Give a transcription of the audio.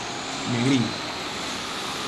Negrín.